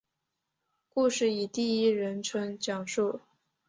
故事以第一人称讲述。